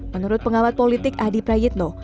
menurut pengamat politik adi prayitno